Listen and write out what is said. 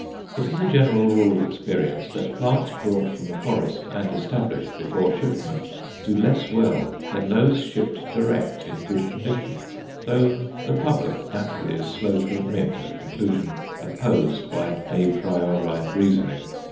It is a general rule of experience that plants brought from the forest and "established" before shipment do less well than those shipped direct in good condition, though the public, naturally, is slow to admit a conclusion opposed by à priori reasoning.